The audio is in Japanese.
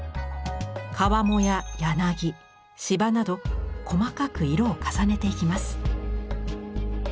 川面や柳柴など細かく色を重ねていきます。